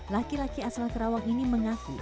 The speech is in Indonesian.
laki laki asal kerawang ini mengaku